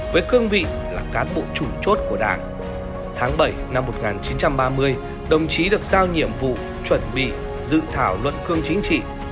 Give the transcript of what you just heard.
với cương vị là cán bộ chủ chốt của đảng tháng bảy năm một nghìn chín trăm ba mươi đồng chí được giao nhiệm vụ chuẩn bị dự thảo luận cương chính trị